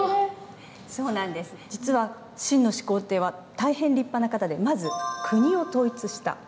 実は秦の始皇帝は大変立派な方でまず国を統一した。